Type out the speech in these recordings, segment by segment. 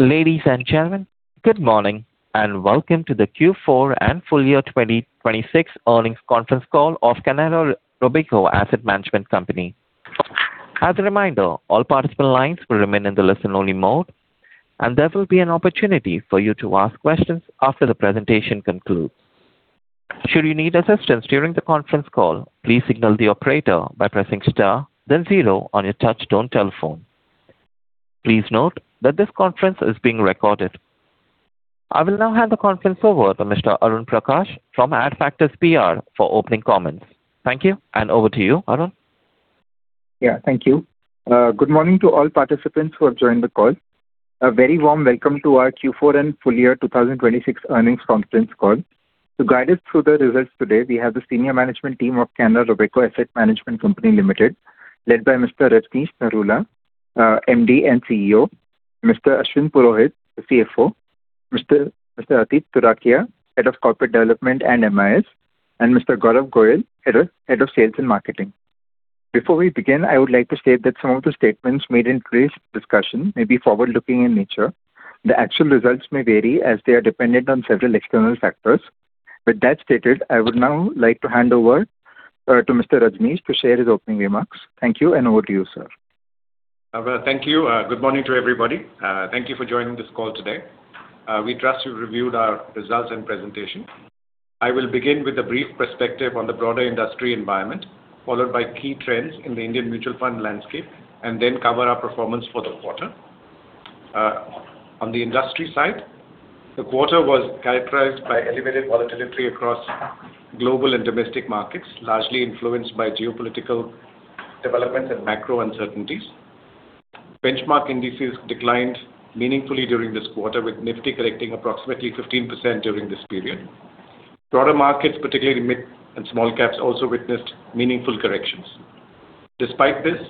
Ladies and gentlemen, good morning, and welcome to the Q4 and Full Year 2026 Earnings Conference Call of Canara Robeco Asset Management Company. As a reminder, all participant lines will remain in the listen-only mode, and there will be an opportunity for you to ask questions after the presentation concludes. Should you need assistance during the conference call, please signal the operator by pressing star then zero on your touchtone telephone. Please note that this conference is being recorded. I will now hand the conference over to Mr. Arun Prakash from Adfactors PR for opening comments. Thank you, and over to you, Arun. Yeah, thank you. Good morning to all participants who have joined the call. A very warm welcome to our Q4 and full year 2026 earnings conference call. To guide us through the results today, we have the senior management team of Canara Robeco Asset Management Company Limited, led by Mr. Rajnish Narula, MD and CEO, Mr. Ashwin Purohit, the CFO, Mr. Atit Turakhiya, Head of Corporate Development and MIS, and Mr. Gaurav Goyal, Head of Sales and Marketing. Before we begin, I would like to state that some of the statements made in today's discussion may be forward-looking in nature. The actual results may vary as they are dependent on several external factors. With that stated, I would now like to hand over to Mr. Rajnish to share his opening remarks. Thank you, and over to you, sir. Thank you. Good morning to everybody. Thank you for joining this call today. We trust you've reviewed our results and presentation. I will begin with a brief perspective on the broader industry environment, followed by key trends in the Indian mutual fund landscape, and then cover our performance for the quarter. On the industry side, the quarter was characterized by elevated volatility across global and domestic markets, largely influenced by geopolitical developments and macro uncertainties. Benchmark indices declined meaningfully during this quarter, with Nifty correcting approximately 15% during this period. Broader markets, particularly mid and small caps, also witnessed meaningful corrections. Despite this,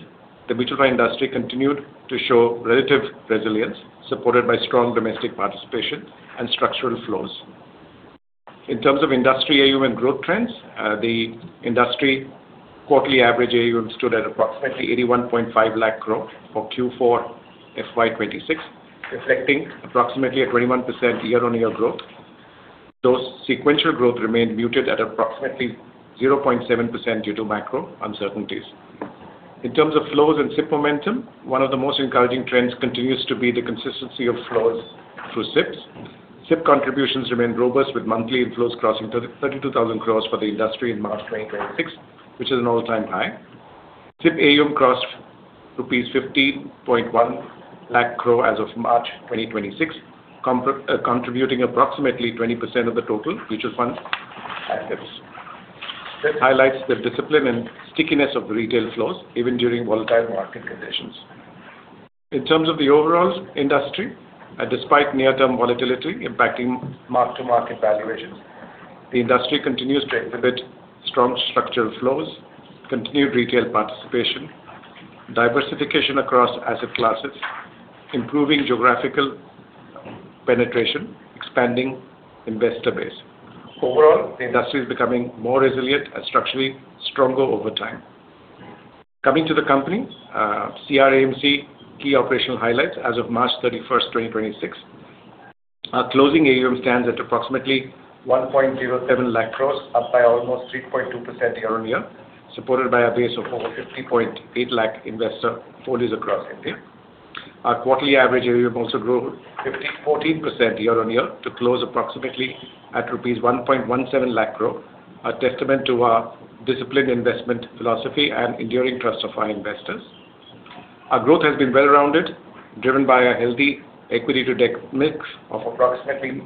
the mutual fund industry continued to show relative resilience, supported by strong domestic participation and structural flows. In terms of industry AUM growth trends, the industry quarterly average AUM stood at approximately 81.5 lakh crore for Q4 FY 2026, reflecting approximately a 21% year-on-year growth. The sequential growth remained muted at approximately 0.7% due to macro uncertainties. In terms of flows and SIP momentum, one of the most encouraging trends continues to be the consistency of flows through SIPs. SIP contributions remain robust with monthly inflows crossing 32,000 crore for the industry in March 2026, which is an all-time high. SIP AUM crossed rupees 50.1 lakh crore as of March 2026, contributing approximately 20% of the total mutual fund assets. This highlights the discipline and stickiness of retail flows even during volatile market conditions. In terms of the overall industry, despite near-term volatility impacting mark-to-market valuations, the industry continues to exhibit strong structural flows, continued retail participation, diversification across asset classes, improving geographical penetration, expanding investor base. Overall, the industry is becoming more resilient and structurally stronger over time. Coming to the company, CRAMC key operational highlights as of March 31, 2026. Our closing AUM stands at approximately 1.07 lakh crores, up by almost 3.2% year-on-year, supported by a base of over 50.8 lakh investor folios across India. Our quarterly average AUM also grew 14% year-on-year to close approximately at rupees 1.17 lakh crore, a testament to our disciplined investment philosophy and enduring trust of our investors. Our growth has been well-rounded, driven by a healthy equity to debt mix of approximately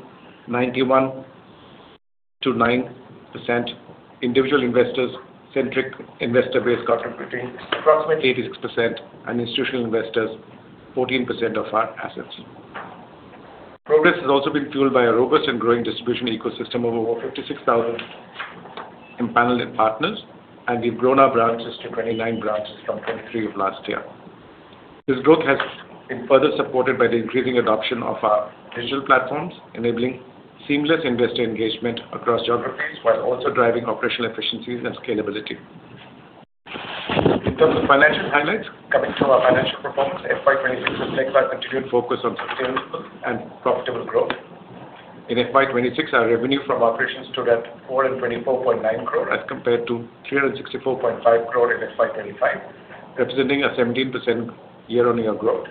91%-9%. Individual investors-centric investor base contributing approximately 86% and institutional investors 14% of our assets. Progress has also been fueled by a robust and growing distribution ecosystem of over 56,000 empaneled partners, and we've grown our branches to 29 branches from 23 of last year. This growth has been further supported by the increasing adoption of our digital platforms, enabling seamless investor engagement across geographies while also driving operational efficiencies and scalability. In terms of financial highlights coming through our financial performance, FY 2026 was marked by continued focus on sustainable and profitable growth. In FY 2026, our revenue from operations stood at 424.9 crore as compared to 364.5 crore in FY 2025, representing a 17% year-on-year growth.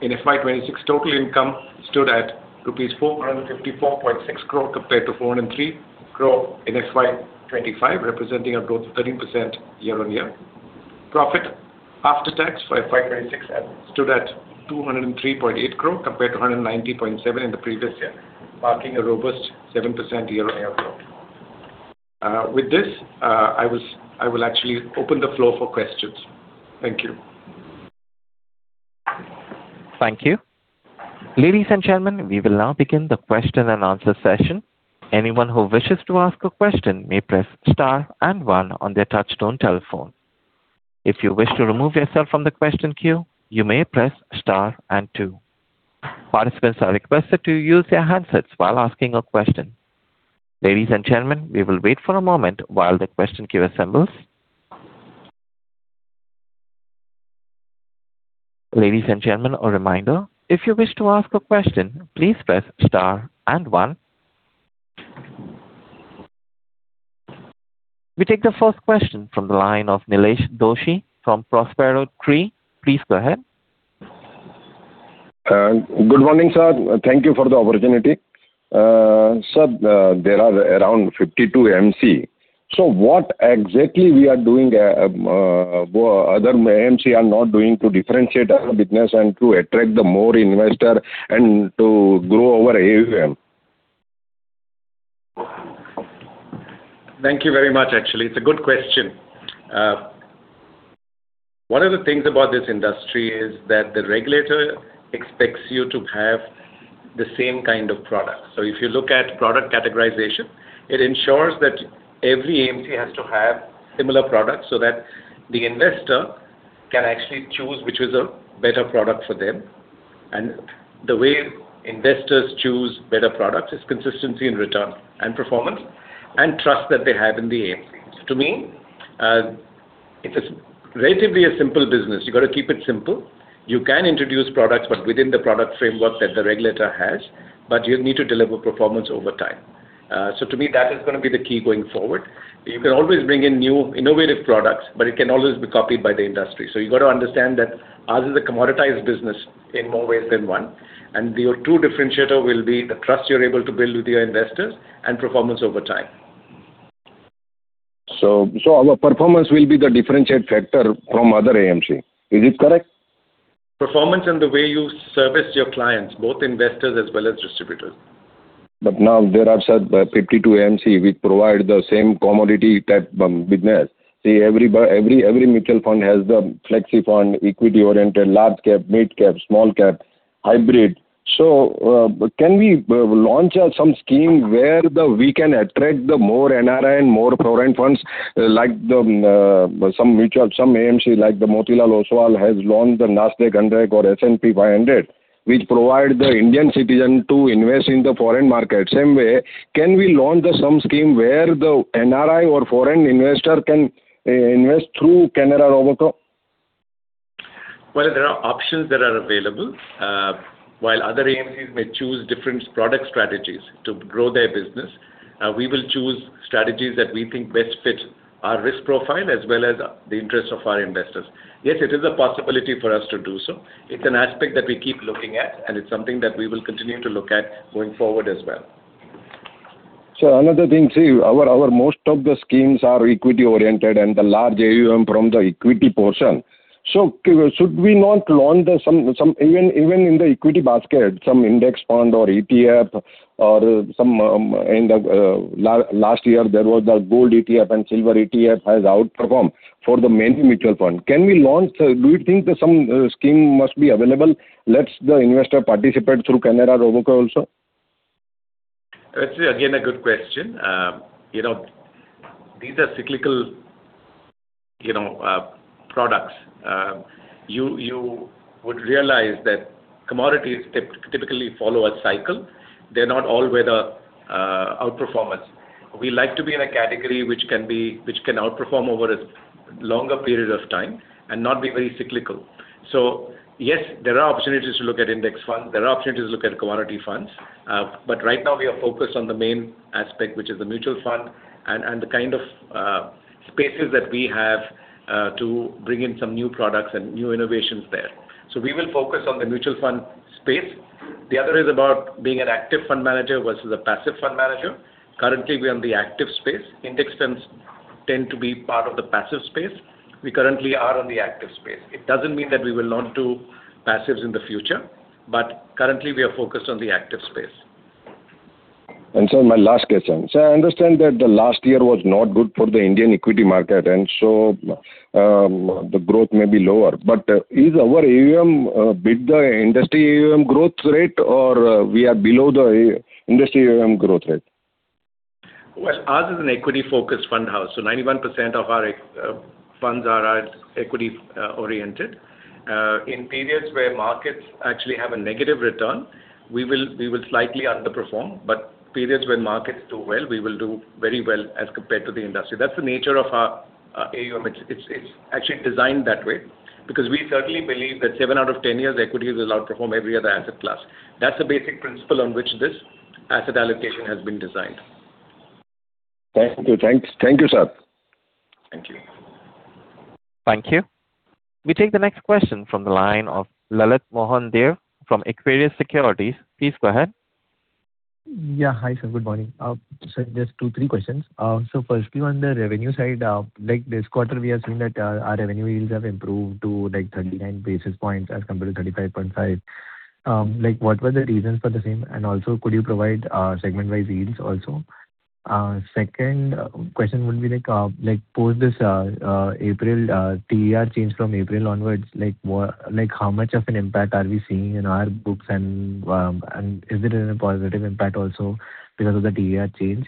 In FY 2026, total income stood at rupees 454.6 crore compared to 43 crore in FY 2025, representing a growth of 13% year-on-year. Profit after tax for FY 2026 has stood at 203.8 crore compared to 190.7 crore in the previous year, marking a robust 7% year-on-year growth. With this, I will actually open the floor for questions. Thank you. Thank you. Ladies and gentlemen, we will now begin the question and answer session. Anyone who wishes to ask a question may press star and one on their touchtone telephone. If you wish to remove yourself from the question queue, you may press star and two. Participants are requested to use their handsets while asking a question. Ladies and gentlemen, we will wait for a moment while the question queue assembles. Ladies and gentlemen, a reminder: if you wish to ask a question, please press star and one. We take the first question from the line of Nilesh Doshi from Prospero Tree. Please go ahead. Good morning, sir. Thank you for the opportunity. Sir, there are around 52 AMC. What exactly we are doing, other AMC are not doing to differentiate our business and to attract the more investor and to grow our AUM? Thank you very much. Actually, it's a good question. One of the things about this industry is that the regulator expects you to have the same kind of product. If you look at product categorization, it ensures that every AMC has to have similar products so that the investor can actually choose which is a better product for them. The way investors choose better products is consistency in return and performance and trust that they have in the AMC. To me, it is relatively a simple business. You got to keep it simple. You can introduce products, but within the product framework that the regulator has, but you need to deliver performance over time. To me that is gonna be the key going forward. You can always bring in new innovative products, but it can always be copied by the industry. You got to understand that ours is a commoditized business in more ways than one. Your true differentiator will be the trust you're able to build with your investors and performance over time. Our performance will be the differentiating factor from other AMC. Is it correct? Performance and the way you service your clients, both investors as well as distributors. Now there are, sir, 52 AMC. We provide the same commodity type business. See every mutual fund has the flexi fund, equity-oriented, large cap, mid cap, small cap, hybrid. Can we launch out some scheme where we can attract the more NRI and more foreign funds like the some AMC, like the Motilal Oswal has launched the Nasdaq 100 or S&P 500, which provide the Indian citizen to invest in the foreign market. Same way, can we launch some scheme where the NRI or foreign investor can invest through Canara Robeco? Well, there are options that are available. While other AMCs may choose different product strategies to grow their business, we will choose strategies that we think best fit our risk profile as well as the interest of our investors. Yes, it is a possibility for us to do so. It's an aspect that we keep looking at, and it's something that we will continue to look at going forward as well. Another thing, see, our most of the schemes are equity-oriented and the large AUM from the equity portion. Should we not launch some even in the equity basket, some index fund or ETF or some in the last year there was a gold ETF and silver ETF has outperformed many mutual funds. Can we launch? Do you think some scheme must be available let the investor participate through Canara Robeco also? It's again a good question. You know, these are cyclical, you know, products. You would realize that commodities typically follow a cycle. They're not all-weather, outperformers. We like to be in a category which can outperform over a longer period of time and not be very cyclical. Yes, there are opportunities to look at index funds. There are opportunities to look at commodity funds. Right now we are focused on the main aspect, which is the mutual fund and the kind of spaces that we have to bring in some new products and new innovations there. We will focus on the mutual fund space. The other is about being an active fund manager versus a passive fund manager. Currently, we are on the active space. Index funds tend to be part of the passive space. We currently are on the active space. It doesn't mean that we will not do passives in the future, but currently we are focused on the active space. My last question. I understand that the last year was not good for the Indian equity market, and so, the growth may be lower. Is our AUM beat the industry AUM growth rate or we are below the industry AUM growth rate? Well, ours is an equity-focused fund house. 91% of our funds are equity oriented. In periods where markets actually have a negative return, we will slightly underperform. Periods when markets do well, we will do very well as compared to the industry. That's the nature of our AUM. It's actually designed that way because we certainly believe that seven out of 10 years equities will outperform every other asset class. That's the basic principle on which this asset allocation has been designed. Thank you. Thanks. Thank you, sir. Thank you. Thank you. We take the next question from the line of Lalit Mohan Dev from Aquarius Securities. Please go ahead. Yeah. Hi, sir. Good morning. Sir, just two, three questions. Firstly, on the revenue side, like this quarter, we are seeing that our revenue yields have improved to like 39 basis points as compared to 35.5 basis points. Like, what were the reasons for the same? And also could you provide segment-wise yields also? Second question would be like post this April TER change from April onwards, like how much of an impact are we seeing in our books and is it a positive impact also because of the TER change?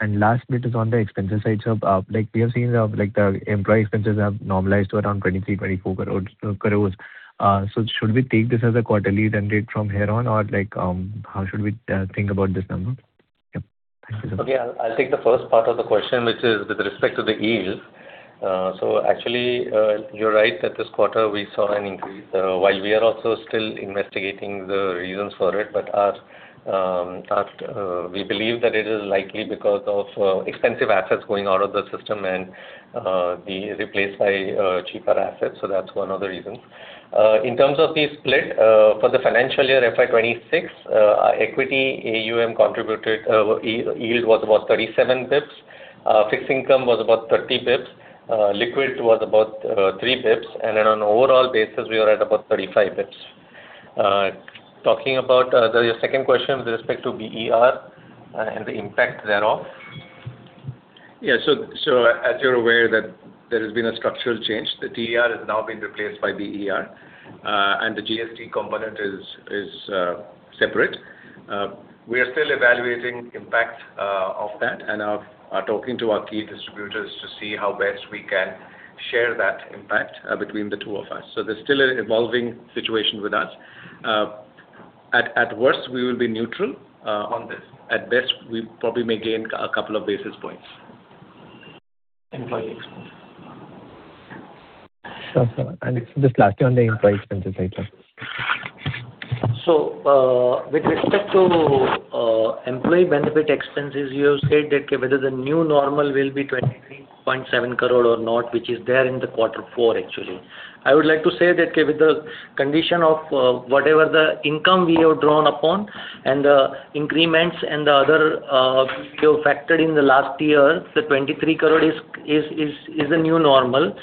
And last bit is on the expense side, like we have seen the employee expenses have normalized to around 23 crore-24 crore. Should we take this as a quarterly trend data from here on or like, how should we think about this number? Okay. I'll take the first part of the question, which is with respect to the yield. So actually, you're right that this quarter we saw an increase. While we are also still investigating the reasons for it, but we believe that it is likely because of expensive assets going out of the system and being replaced by cheaper assets. So that's one of the reasons. In terms of the split, for the financial year FY 2026, our equity AUM contributed yield was about 37 bps. Fixed income was about 30 bps. Liquid was about 3 bps. And then on an overall basis, we are at about 35 bps. Talking about your second question with respect to BER and the impact thereof. Yeah. As you're aware that there has been a structural change. The DER has now been replaced by BER, and the GST component is separate. We are still evaluating impact of that and are talking to our key distributors to see how best we can share that impact between the two of us. There's still an evolving situation with us. At worst, we will be neutral on this. At best, we probably may gain a couple of basis points. Employee expense. Sure, sir. Just lastly on the employee expenses side, sir. With respect to employee benefit expenses, you have said that whether the new normal will be 23.7 crore or not, which is there in the quarter four actually. I would like to say that with the condition of whatever the income we have drawn upon and the increments and the other, we have factored in the last year, the 23 crore is the new normal.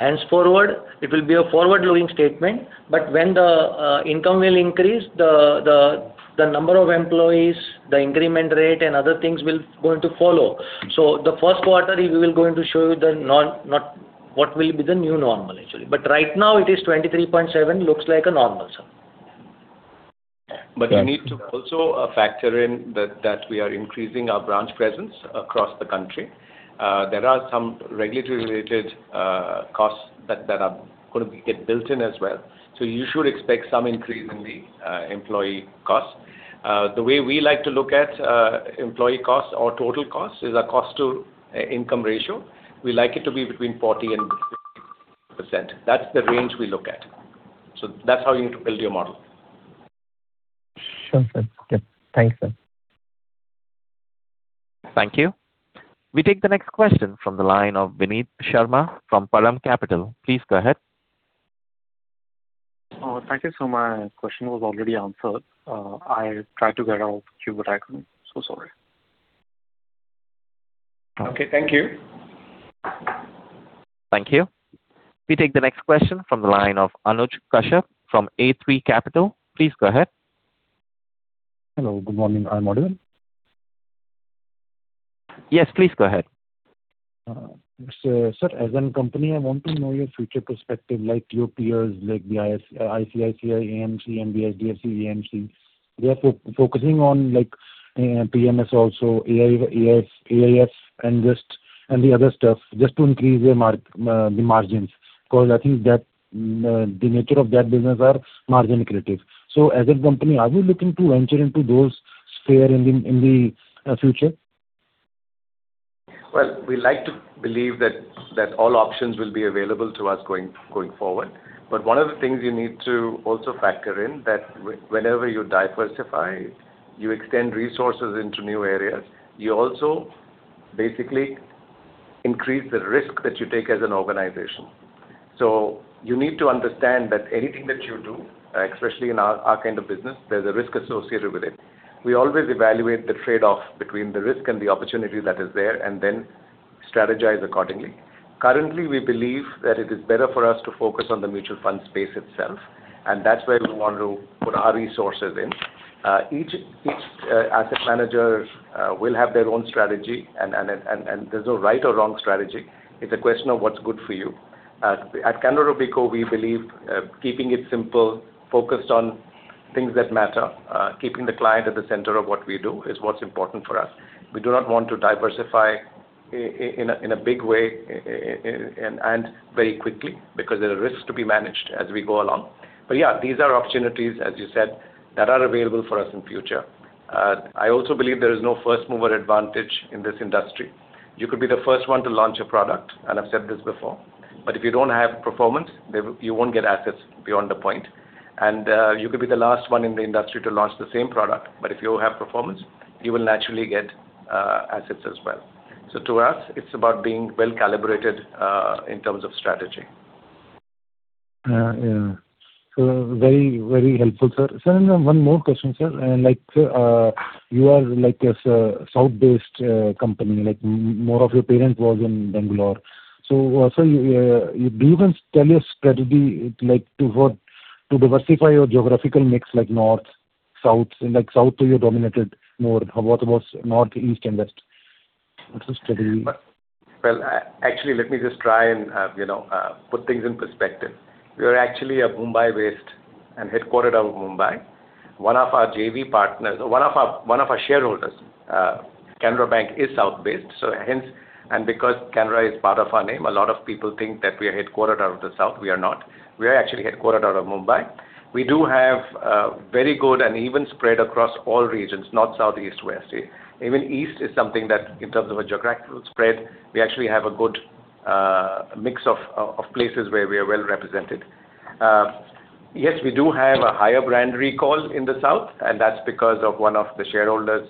Henceforward, it will be a forward-looking statement. When the income will increase, the number of employees, the increment rate, and other things will going to follow. The first quarter, we will going to show you the not what will be the new normal actually. Right now it is 23.7 looks like a normal, sir. You need to also factor in that we are increasing our branch presence across the country. There are some regulatory related costs that are gonna get built in as well. You should expect some increase in the employee costs. The way we like to look at employee costs or total costs is a cost to income ratio. We like it to be between 40%-50%. That's the range we look at. That's how you need to build your model. Sure, sir. Okay. Thanks, sir. Thank you. We take the next question from the line of Vineet Sharma from Param Capital. Please go ahead. Oh, thank you, sir. My question was already answered. I tried to get on queue, but I couldn't. Sorry. Okay. Thank you. Thank you. We take the next question from the line of Anuj Kashyap from A3 Capital. Please go ahead. Hello, good morning. I'm audible? Yes, please go ahead. Sir, as a company, I want to know your future perspective, like your peers, like the ICICI AMC, HDFC AMC. They are focusing on, like, PMS also, AI, AIS, AIF and the other stuff just to increase their margins, because I think that the nature of that business are margin-accretive. As a company, are you looking to venture into those spheres in the future? Well, we like to believe that all options will be available to us going forward. One of the things you need to also factor in that whenever you diversify, you extend resources into new areas, you also basically increase the risk that you take as an organization. You need to understand that anything that you do, especially in our kind of business, there's a risk associated with it. We always evaluate the trade-off between the risk and the opportunity that is there and then strategize accordingly. Currently, we believe that it is better for us to focus on the mutual fund space itself, and that's where we want to put our resources in. Each asset manager will have their own strategy and there's no right or wrong strategy. It's a question of what's good for you. At Canara Robeco, we believe keeping it simple, focused on things that matter, keeping the client at the center of what we do is what's important for us. We do not want to diversify in a big way and very quickly because there are risks to be managed as we go along. Yeah, these are opportunities, as you said, that are available for us in future. I also believe there is no first mover advantage in this industry. You could be the first one to launch a product, and I've said this before, but if you don't have performance, you won't get assets beyond a point. You could be the last one in the industry to launch the same product, but if you have performance, you will naturally get assets as well. To us, it's about being well-calibrated in terms of strategy. Yeah. Very, very helpful, sir. Sir, one more question, sir. Like, you are like a south-based company, like more of your parent was in Bangalore. Sir, do you even tell your strategy like to what, to diversify your geographical mix like north, south? Like south you dominated more. What about north, east, and west? What's your strategy? Well, actually, let me just try and, you know, put things in perspective. We are actually a Mumbai-based and headquartered out of Mumbai. One of our shareholders, Canara Bank is south based, so hence, and because Canara is part of our name, a lot of people think that we are headquartered out of the south. We are not. We are actually headquartered out of Mumbai. We do have very good and even spread across all regions, north, south, east, west. Even east is something that in terms of a geographical spread, we actually have a good mix of places where we are well represented. Yes, we do have a higher brand recall in the south, and that's because of one of the shareholders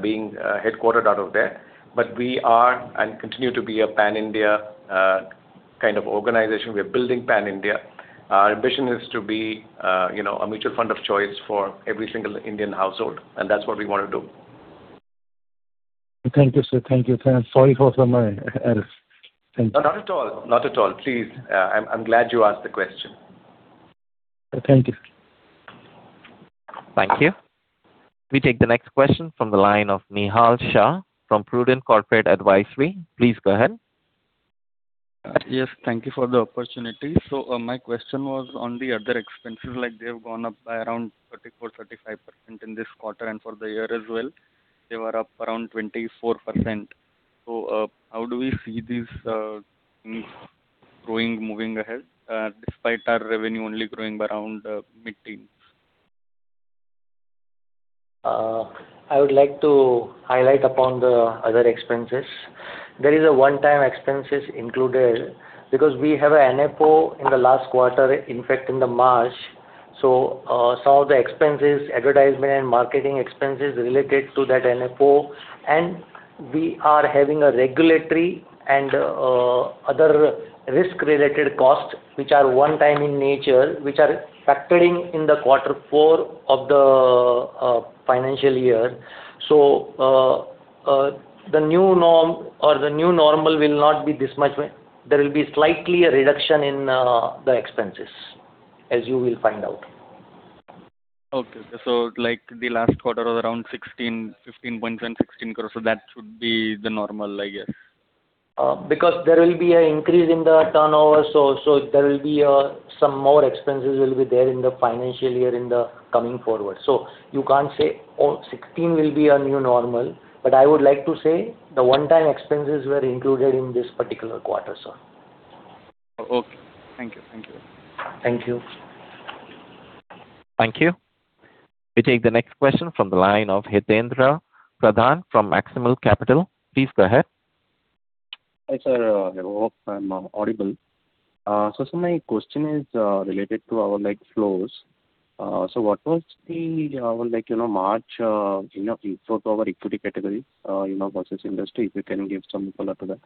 being headquartered out of there. We are, and continue to be a pan-India kind of organization. We're building pan-India. Our ambition is to be, you know, a mutual fund of choice for every single Indian household, and that's what we wanna do. Thank you, sir. Thank you. Sorry for my errors. Thank you. No, not at all. Not at all. Please. I'm glad you asked the question. Thank you. Thank you. We take the next question from the line of Nihal Shah from Prudent Corporate Advisory. Please go ahead. Yes, thank you for the opportunity. My question was on the other expenses, like, they have gone up by around 34-35% in this quarter and for the year as well. They were up around 24%. How do we see these things growing moving ahead, despite our revenue only growing by around mid-teens%? I would like to highlight upon the other expenses. There is a one-time expenses included because we have a NFO in the last quarter, in fact in the March. Some of the expenses, advertisement and marketing expenses related to that NFO, and we are having a regulatory and other risk-related costs, which are one time in nature, which are factoring in the quarter four of the financial year. The new norm or the new normal will not be this much. There will be slightly a reduction in the expenses, as you will find out. Okay. Like the last quarter was around 15 crore-16 crore. That should be the norm, I guess. Because there will be an increase in the turnover, so there will be some more expenses will be there in the financial year in the coming forward. You can't say, oh, 16 crore will be a new normal. I would like to say the one-time expenses were included in this particular quarter, sir. Okay. Thank you. Thank you. Thank you. Thank you. We take the next question from the line of Hitaindra Pradhan from Maximal Capital. Please go ahead. Hi, sir. I hope I'm audible. My question is related to our like flows. What was our like you know March you know inflow to our equity category you know versus industry, if you can give some color to that.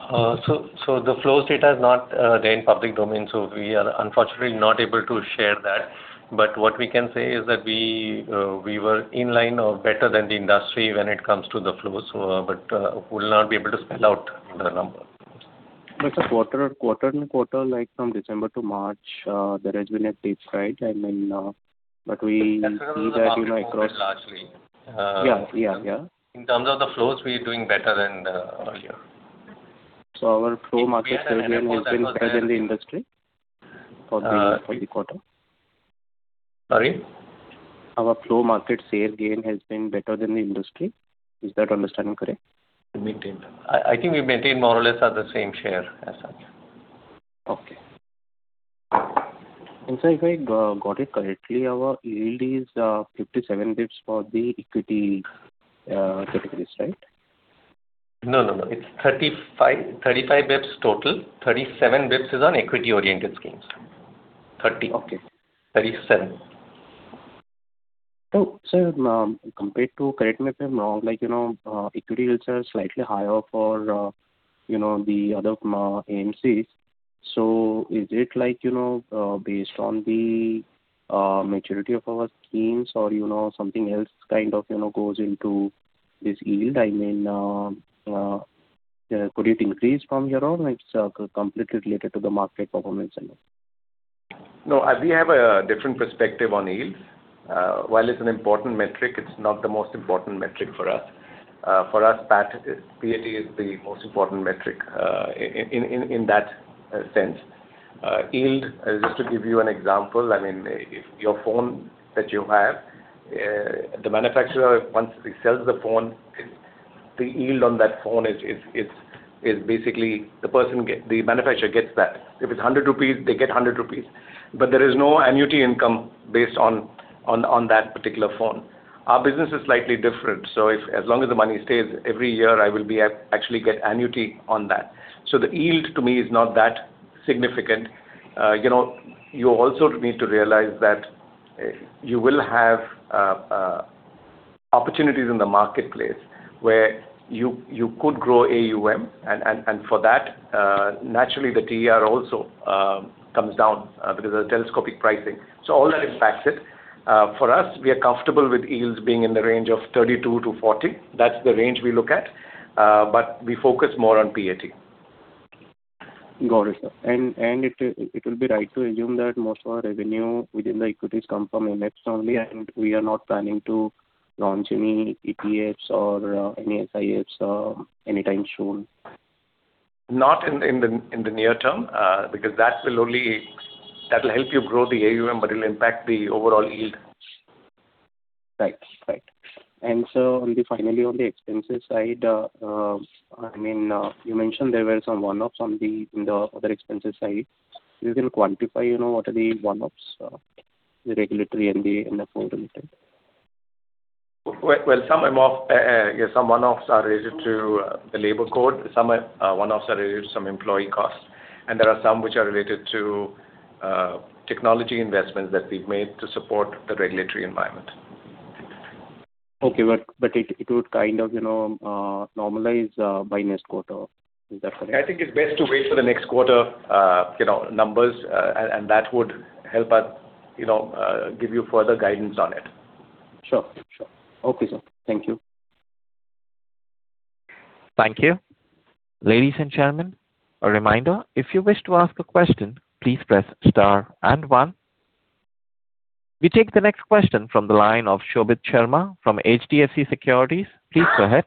The flows data is not there in public domain, so we are unfortunately not able to share that. What we can say is that we were in line or better than the industry when it comes to the flows. We would not be able to spell out the number. Sir, quarter-over-quarter, like from December to March, there has been a dip, right? I mean, but we see that, you know. That's driven by the market largely. Yeah. Yeah. Yeah. In terms of the flows, we're doing better than last year. Our flow market share gain has been better than the industry for the quarter? Sorry? Our flow market share gain has been better than the industry. Is that understanding correct? Maintained. I think we maintained more or less at the same share as such. Okay. Sir, if I got it correctly, our yield is 57 basis points for the equity categories, right? No, no. It's 35 basis points total. 37 basis points is on equity-oriented schemes. 30 basis points. Okay. 37 basis points. Sir, compared to, correct me if I'm wrong, like, you know, equity yields are slightly higher for, you know, the other, AMCs. Is it like, you know, based on the, maturity of our schemes or, you know, something else kind of, you know, goes into this yield? I mean, could it increase from here or it's completely related to the market performance only? No. We have a different perspective on yields. While it's an important metric, it's not the most important metric for us. For us, PAT is the most important metric in that sense. Yield, just to give you an example, I mean, if your phone that you have, the manufacturer, once he sells the phone, the yield on that phone is basically the manufacturer gets that. If it's 100 rupees, they get 100 rupees. But there is no annuity income based on that particular phone. Our business is slightly different. As long as the money stays, every year, I will actually get annuity on that. The yield to me is not that significant. You know, you also need to realize that you will have opportunities in the marketplace where you could grow AUM and for that, naturally the TER also comes down because of telescopic pricing. All that impacts it. For us, we are comfortable with yields being in the range of 32-40. That's the range we look at. We focus more on PAT. Got it, sir. It will be right to assume that most of our revenue within the equities come from index only, and we are not planning to launch any ETFs or any SIFs anytime soon. Not in the near term, because that will only help you grow the AUM, but it'll impact the overall yield. Right. Finally, on the expenses side, I mean, you mentioned there were some one-offs in the other expenses side. Can you quantify, you know, what are the one-offs, the regulatory and the forward-looking? Well, some one-offs are related to the labor code. Some one-offs are related to some employee costs. There are some which are related to technology investments that we've made to support the regulatory environment. Okay. It would kind of, you know, normalize by next quarter. Is that correct? I think it's best to wait for the next quarter, you know, numbers, and that would help us, you know, give you further guidance on it. Sure. Okay, sir. Thank you. Thank you. Ladies and gentlemen, a reminder, if you wish to ask a question, please press star and one. We take the next question from the line of Shobhit Sharma from HDFC Securities. Please go ahead.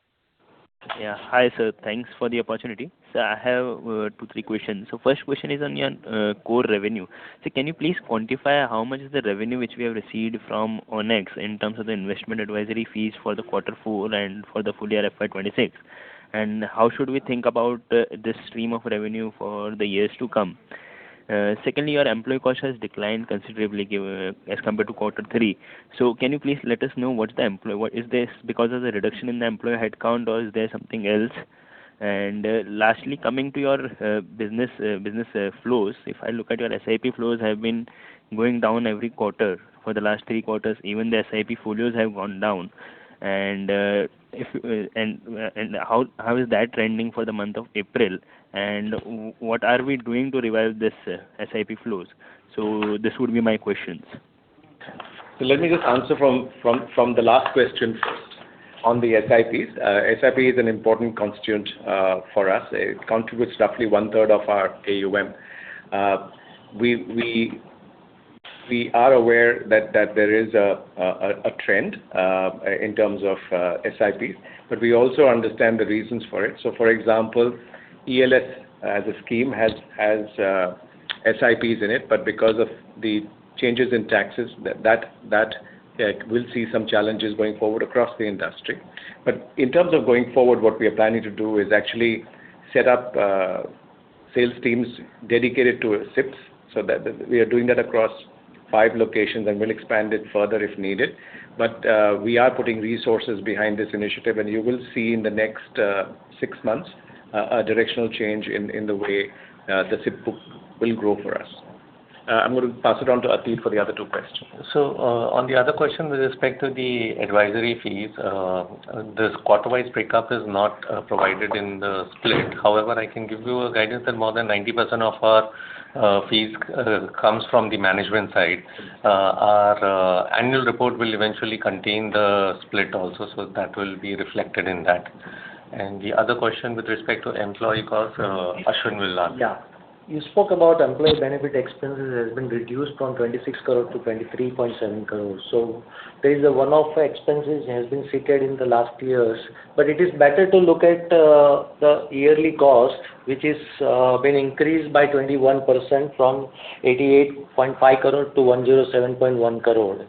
Yeah. Hi, sir. Thanks for the opportunity. I have two, three questions. First question is on your core revenue. Can you please quantify how much is the revenue which we have received from ORIX in terms of the investment advisory fees for quarter four and for the full year FY 2026? And how should we think about this stream of revenue for the years to come? Secondly, your employee cost has declined considerably given as compared to quarter 3. Can you please let us know what's the employee? Is this because of the reduction in the employee headcount, or is there something else? And lastly, coming to your business flows. If I look at your SIP flows have been going down every quarter for the last three quarters. Even the SIP folios have gone down. How is that trending for the month of April? What are we doing to revive this SIP flows? This would be my questions. Let me just answer the last question first on the SIPs. SIP is an important constituent for us. It contributes roughly one-third of our AUM. We are aware that there is a trend in terms of SIPs, but we also understand the reasons for it. For example, ELSS as a scheme has SIPs in it, but because of the changes in taxes that we'll see some challenges going forward across the industry. In terms of going forward, what we are planning to do is actually set up sales teams dedicated to SIPs so that we are doing that across five locations, and we'll expand it further if needed. We are putting resources behind this initiative, and you will see in the next six months a directional change in the way the SIP book will grow for us. I'm gonna pass it on to Atit Turakhiya for the other two questions. On the other question with respect to the advisory fees, this quarter-wise breakup is not provided in the split. However, I can give you a guidance that more than 90% of our fees comes from the management side. Our annual report will eventually contain the split also, so that will be reflected in that. The other question with respect to employee costs, Ashwin will answer. Yeah. You spoke about employee benefit expenses has been reduced from 26 crore-23.7 crore. There is a one-off expense has been saved in the last year. It is better to look at the yearly cost, which is been increased by 21% from 88.5 crore-107.1 crore.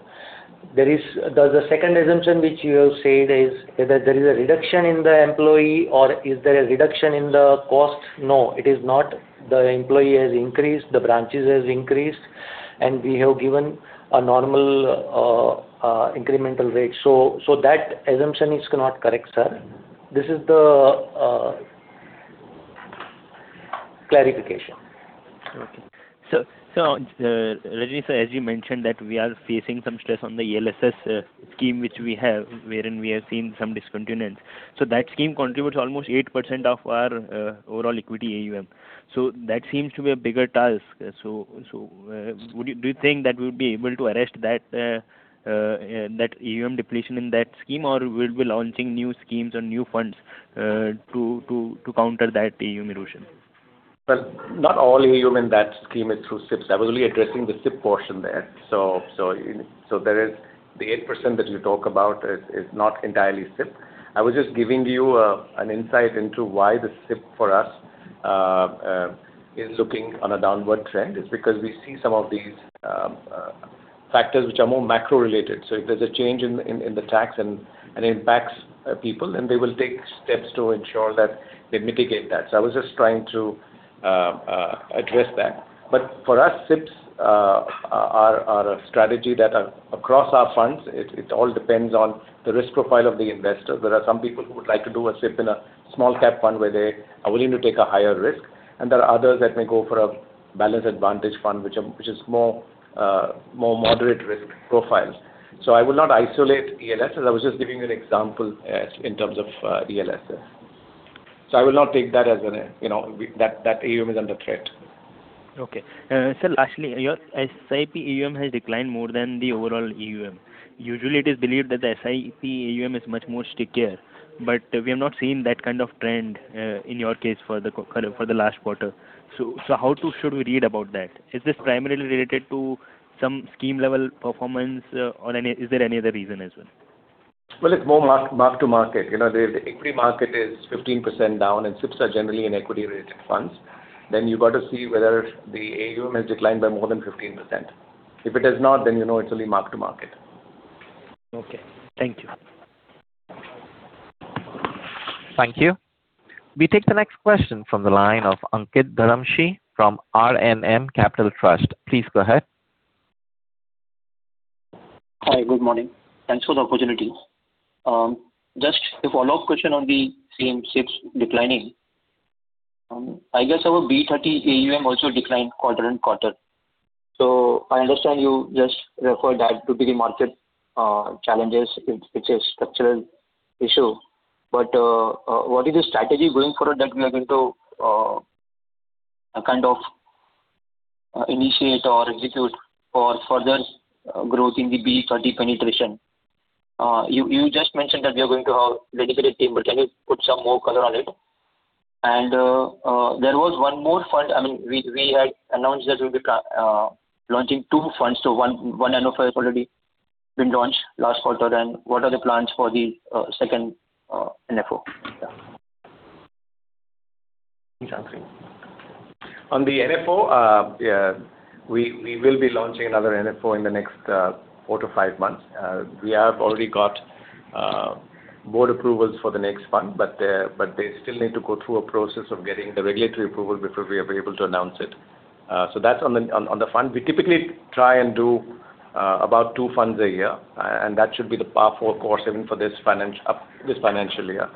The second assumption which you have said is whether there is a reduction in the employee or is there a reduction in the cost? No. It is not. The employee has increased, the branches has increased, and we have given a normal incremental rate. So that assumption is not correct, sir. This is the clarification. Rajnish, sir, as you mentioned that we are facing some stress on the ELSS scheme which we have, wherein we have seen some discontinuance. That scheme contributes almost 8% of our overall equity AUM. That seems to be a bigger task. Do you think that we'll be able to arrest that AUM depletion in that scheme? Or we'll be launching new schemes or new funds to counter that AUM erosion? Well, not all AUM in that scheme is through SIPs. I was only addressing the SIP portion there. There is the 8% that you talk about is not entirely SIP. I was just giving you an insight into why the SIP for us is looking on a downward trend. It's because we see some of these factors which are more macro related. If there's a change in the tax and it impacts people, then they will take steps to ensure that they mitigate that. I was just trying to address that. For us, SIPs are a strategy that across our funds, it all depends on the risk profile of the investor. There are some people who would like to do a SIP in a small cap fund where they are willing to take a higher risk, and there are others that may go for a balanced advantage fund, which is more moderate risk profile. I will not isolate ELSS. I was just giving you an example as in terms of ELSS. I will not take that as an, you know, that AUM is under threat. Okay. Sir, lastly, your SIP AUM has declined more than the overall AUM. Usually, it is believed that the SIP AUM is much more stickier, but we have not seen that kind of trend in your case for the last quarter. How should we read about that? Is this primarily related to some scheme level performance, or is there any other reason as well? Well, it's more mark-to-market. You know, the equity market is 15% down and SIPs are generally in equity-oriented funds. You've got to see whether the AUM has declined by more than 15%. If it has not, then you know it's only mark-to-market. Okay. Thank you. Thank you. We take the next question from the line of Ankit Dharamshi from RNM Capital Trust. Please go ahead. Hi. Good morning. Thanks for the opportunity. Just a follow-up question on the same SIP declining. I guess our B30 AUM also declined quarter-on-quarter. I understand you just referred that to be the market challenges; it's a structural issue. What is the strategy going forward that we are going to kind of initiate or execute for further growth in the B30 penetration? You just mentioned that we are going to have dedicated team, but can you put some more color on it? There was one more fund. I mean, we had announced that we'll be launching two funds. One NFO has already been launched last quarter, then what are the plans for the second NFO? Yeah. On the NFO, we will be launching another NFO in the next 4-5 months. We have already got board approvals for the next fund, but they still need to go through a process of getting the regulatory approval before we are able to announce it. So that's on the fund. We typically try and do about two funds a year, and that should be the path or course even for this financial year.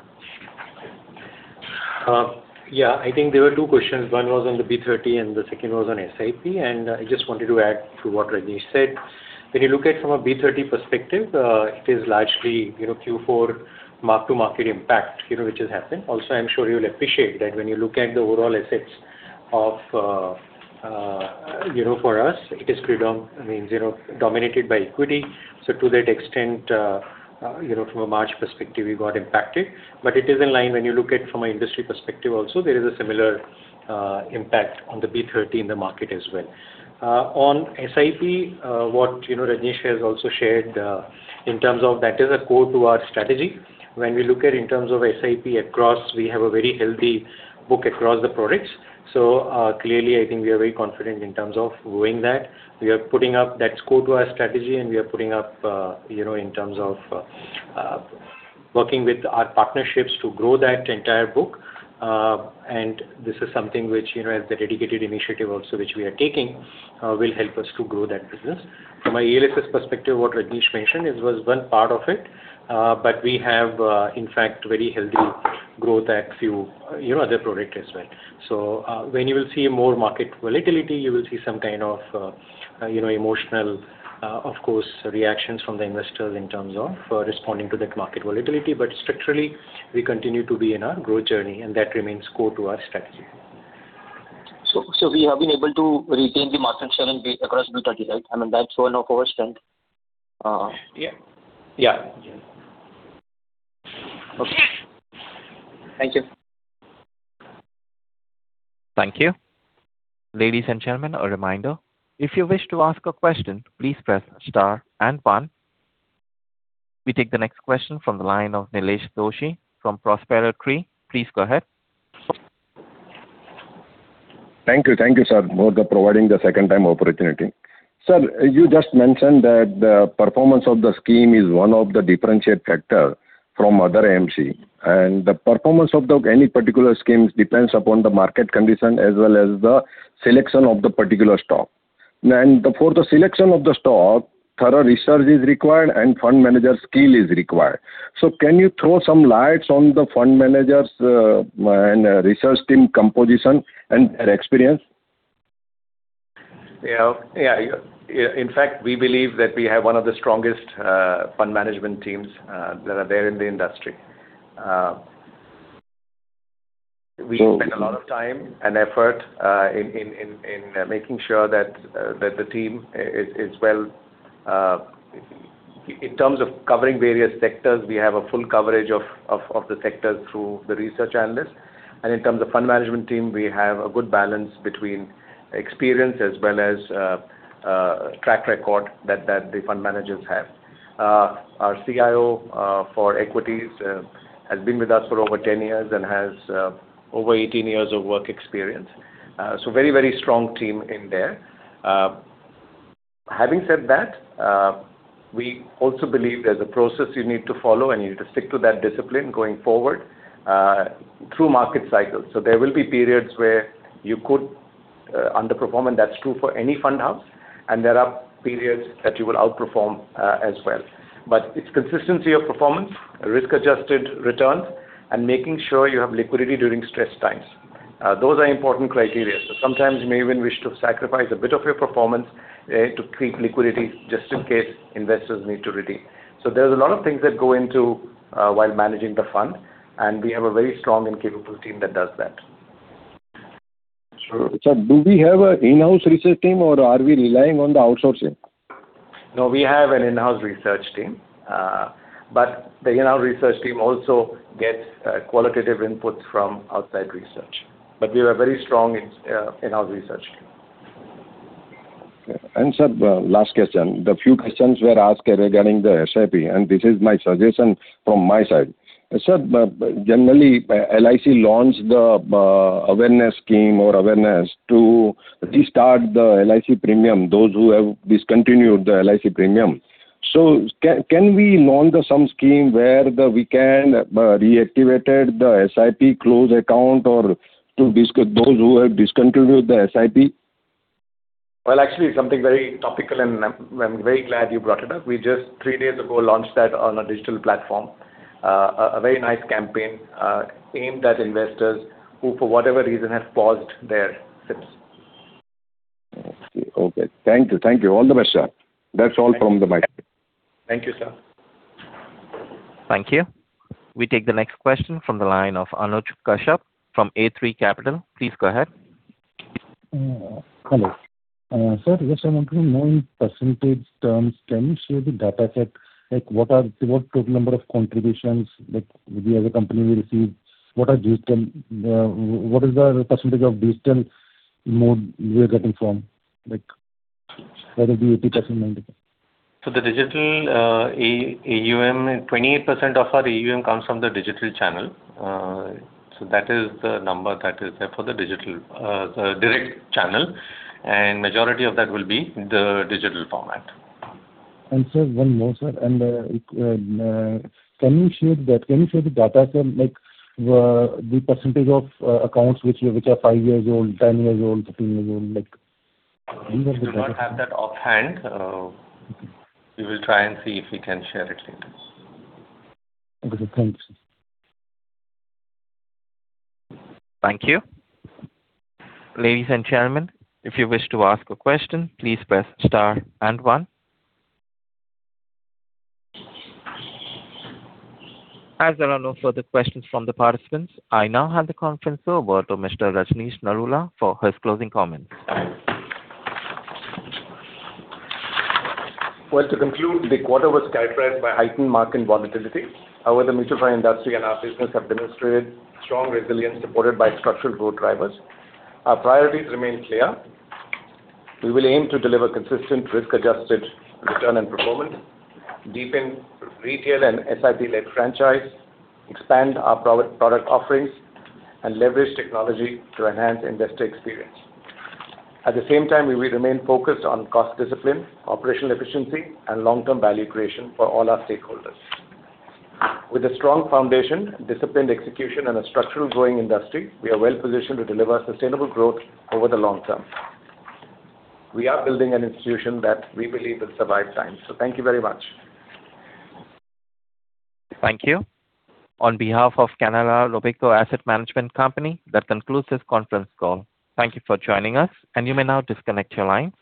Yeah. I think there were two questions. One was on the B30 and the second was on SIP. I just wanted to add to what Rajnish said. When you look at from a B30 perspective, it is largely, you know, Q4 mark-to-market impact, you know, which has happened. Also, I'm sure you'll appreciate that when you look at the overall assets of, you know, for us it is, I mean, you know, dominated by equity. To that extent, you know, from a March perspective, we got impacted. It is in line when you look at from an industry perspective also, there is a similar, impact on the B30 in the market as well. On SIP, what, you know, Rajnish has also shared, in terms of that is a core to our strategy. When we look at it in terms of SIP across, we have a very healthy book across the products. Clearly, I think we are very confident in terms of growing that. We are putting up that's core to our strategy and we are putting up, you know, in terms of, working with our partnerships to grow that entire book. This is something which, you know, as the dedicated initiative also which we are taking, will help us to grow that business. From a ELSS perspective, what Rajnish mentioned is one part of it. But we have, in fact very healthy growth in a few, you know, other products as well. When you will see more market volatility, you will see some kind of, you know, emotional, of course, reactions from the investors in terms of responding to that market volatility. Structurally, we continue to be in our growth journey, and that remains core to our strategy. We have been able to retain the market share and base across B30, right? I mean, that's one of our strength. Yeah. Yeah. Okay. Thank you. Thank you. Ladies and gentlemen, a reminder: if you wish to ask a question, please press star and one. We take the next question from the line of Nilesh Doshi from Prospero Tree. Please go ahead. Thank you. Thank you, sir, for providing the second time opportunity. Sir, you just mentioned that the performance of the scheme is one of the differentiate factor from other AMC, and the performance of the any particular schemes depends upon the market condition as well as the selection of the particular stock. For the selection of the stock, thorough research is required and fund manager skill is required. Can you throw some lights on the fund managers and research team composition and their experience? Yeah. Yeah. In fact, we believe that we have one of the strongest fund management teams that are there in the industry. We spend a lot of time and effort in making sure that the team is well. In terms of covering various sectors, we have a full coverage of the sectors through the research analysts. In terms of fund management team, we have a good balance between experience as well as track record that the fund managers have. Our CIO for equities has been with us for over 10 years and has over 18 years of work experience. So very strong team in there. Having said that, we also believe there's a process you need to follow, and you need to stick to that discipline going forward through market cycles. There will be periods where you could underperform, and that's true for any fund house, and there are periods that you will outperform as well. It's consistency of performance, risk-adjusted returns, and making sure you have liquidity during stress times. Those are important criteria. Sometimes you may even wish to sacrifice a bit of your performance to keep liquidity just in case investors need to redeem. There's a lot of things that go into while managing the fund, and we have a very strong and capable team that does that. Sure. Sir, do we have an in-house research team or are we relying on the outsourcing? No, we have an in-house research team. The in-house research team also gets qualitative input from outside research. We have a very strong in-house research team. Sir, last question. A few questions were asked regarding the SIP, and this is my suggestion from my side. Sir, generally, LIC launched the awareness scheme or awareness to restart the LIC premium, those who have discontinued the LIC premium. Can we launch some scheme where we can reactivate the SIP closed account or those who have discontinued the SIP? Well, actually, something very topical, and I'm very glad you brought it up. We just three days ago, launched that on a digital platform. A very nice campaign, aimed at investors who for whatever reason, have paused their SIPs. Okay. Thank you. Thank you. All the best, sir. That's all from my side. Thank you, sir. Thank you. We take the next question from the line of Anuj Kashyap from A3 Capital. Please go ahead. Hello. Sir, just I want to know in percentage terms, can you share the data set? Like, what total number of contributions, like, we as a company will receive? What is the percentage of digital mode we are getting from? Like, what is the 80% The digital AUM, 28% of our AUM comes from the digital channel. That is the number that is there for the digital direct channel, and majority of that will be the digital format. Sir, one more, sir. Can you share the data set, like, the percentage of accounts which are five years old, 10 years old, 15 years old? Like We do not have that offhand. We will try and see if we can share it with you. Okay. Thanks. Thank you. Ladies and gentlemen, if you wish to ask a question, please press star and one. As there are no further questions from the participants, I now hand the conference over to Mr. Rajnish Narula for his closing comments. Well, to conclude, the quarter was characterized by heightened market volatility. However, the mutual fund industry and our business have demonstrated strong resilience supported by structural growth drivers. Our priorities remain clear. We will aim to deliver consistent risk-adjusted return and performance, deepen retail and SIP-led franchise, expand our product offerings, and leverage technology to enhance investor experience. At the same time, we will remain focused on cost discipline, operational efficiency, and long-term value creation for all our stakeholders. With a strong foundation, disciplined execution, and a structural growing industry, we are well-positioned to deliver sustainable growth over the long term. We are building an institution that we believe will survive time. Thank you very much. Thank you. On behalf of Canara Robeco Asset Management Company, that concludes this conference call. Thank you for joining us, and you may now disconnect your line.